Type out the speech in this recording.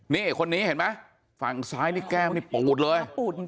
นี่คนนี้เห็นไหมฝั่งซ้ายนี่แก้มนี่ปูดเลย